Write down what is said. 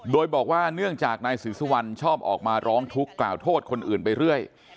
โดยบอกว่าเนื่องจากนายศรีสุวรรณชอบออกมาร้องทุกข์กล่าวโทษคนอื่นไปเรื่อย